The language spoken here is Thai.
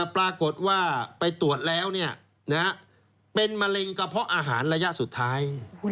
ปรากฏว่าไปตรวจแล้วเป็นมะเร็งกระเพาะอาหารระยะสุดท้าย